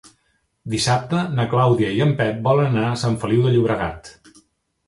Dissabte na Clàudia i en Pep volen anar a Sant Feliu de Llobregat.